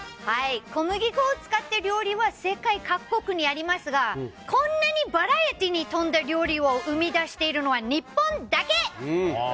小麦粉を使った料理は世界各国にありますが、こんなにバラエティーに富んだ料理を生み出しているのは日本だけ！